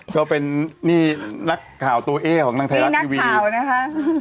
ก็เป็นนี่นักข่าวตัวเอของนางแทรกทีวีนี่นักข่าวนะคะ